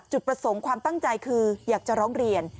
จุดประสงค์ความตั้งใจคืออยากจะร้องเรียน